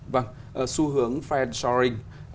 vâng xu hướng fair shoring